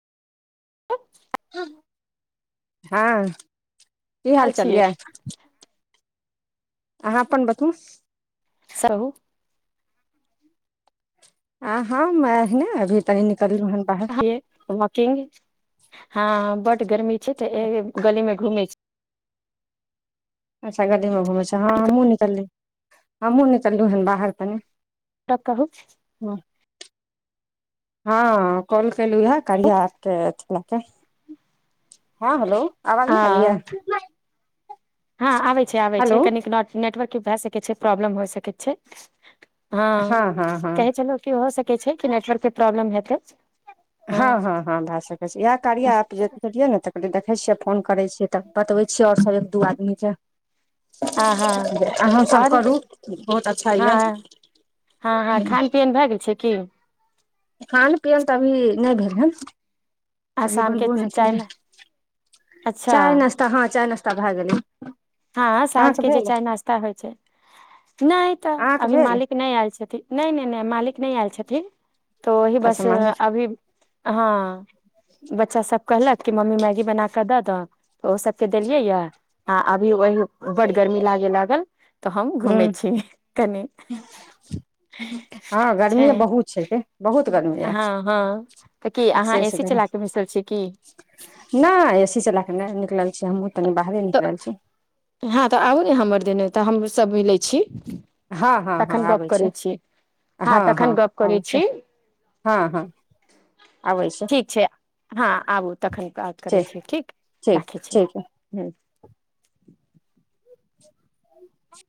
ह हँ की हाल चाल छियै यऽ? अहाँ अपन बतू। सऽहु। हाँ हाँ [unintelligible] आ हम अभी तनी निकललू हन बाहर वकिंग [unintelligible] हँ बड गर्मी छै त ए गली में घूमे छी। अच्छा गली मे घुमै छै, हँ हमहूँ निकलली हमहूँ निकललहुँ हन बाहर कनी। त कहू? हँ हँ कॉल कलू है, कार्य आपके [unintelligible] ल हँ हेलो आवाज ह नहि आबैय? हँ आबै छै, आबै छै, हेलो कनिक नेटवर्क भए सकैत छै प्रॉब्लम होए सकैत छै। हँ हँ हँ कहै छलू की हो सकै छै, कि नेटवर्कके प्रॉब्लम हेतै। हँ हँं भए सकै छै, इएह कार्य ऐप जे तऽ कहल देखे छियै फोन करे छी। से तऽ बतबई छी ओर सब एक दू आदमी के हँ हँ अहूँसभ आओर करू बहुत अच्छा हँ यए। हँ -हँ खान पियन भए गेल छै की? खान पियन तऽ अभी नहि भेल हन। आ अभी शाम के बनबो नहि चाय केलियै, मे अच्छा चाय नस्त तऽ हँ चायि नश्ता भए गेलै। हँ साँझ अहाँके के जे भेल चाय नाश्ता होइ छै, नहि तऽ अहाँके अभी भेल मालिक नहि आयल छथिन, नहि- नहि -नहि मालिक नहि आयल छथिन तऽ ओहि अच्छा बस मन्दिर अभी हँ बच्चा सब कहलक कि मम्मी मैगी बना कऽ दऽ द त ओ सबके देलियै या। आ अभी वही बड गर्मी लागे लागल तऽ हम हूँ घूमे छी कनि। हँ छै गर्मी बहुत छै, गे बहुत गर्मी यै हँ- हँ तऽ की अहाँ ए एक्सेस सी गर्मी चला के बैसल छियै की? नहि एसी चला कऽ नहि, निकलल छी हमहहुँ कनी बाहरे तऽ निकलल छी। हँ तऽ आबू ने हमर देने तऽ हमसभ मिलै छी। हँ हँ हँ तखन गप आबै छै करै छी, हँ तखन गप करै छी। हँ हँ ठीक छै, हँ आबू तखन बात करै छी, ठीक ठीक राखै छी। ठीक हँ